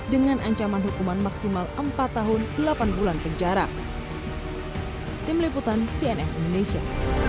dengan ancaman hukuman maksimal empat tahun delapan bulan penjara